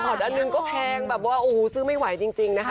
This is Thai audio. บอกอันอันหนึ่งก็แพงแบบว่าซื้อไม่ไหวจริงนะคะ